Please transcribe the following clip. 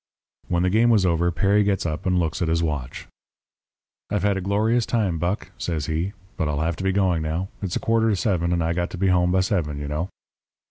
"When the game was over Perry gets up and looks at his watch. "'I've had a glorious time, Buck,' says he, 'but I'll have to be going now. It's a quarter to seven, and I got to be home by seven, you know.'